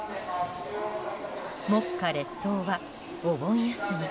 目下列島はお盆休み。